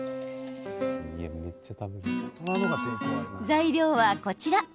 材料は、こちら。